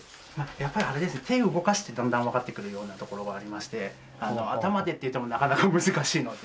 やっぱりあれです手を動かしてだんだんわかってくるようなところはありまして頭でっていってもなかなか難しいので。